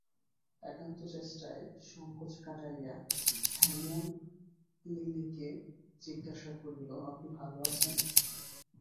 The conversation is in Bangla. একান্ত চেষ্টায় সংকোচ কাটাইয়া হেমনলিনীকে জিজ্ঞাসা করিল, আপনি ভালো আছেন?